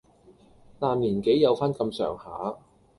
但年紀有返咁上下